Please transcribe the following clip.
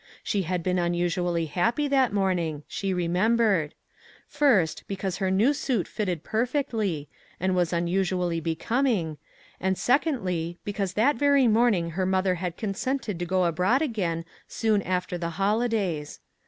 She had been unusually happy that morning, she remembered; first, because her new suit fitted perfectly, and was unusually becoming, and secondly, because that very morning her mother had consented to go abroad again soon after the holidays.